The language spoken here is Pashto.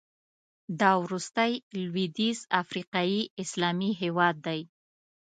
دا وروستی لوېدیځ افریقایي اسلامي هېواد دی.